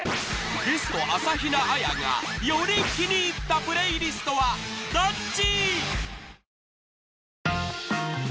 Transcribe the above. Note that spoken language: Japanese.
ゲスト朝比奈彩がより気に入ったプレイリストはどっち？